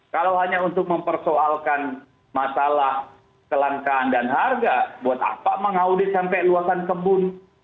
kalau hanya untuk mempersoalkan masalah kelangkaan dan harga buat apa mengaudit sampai luasan kebun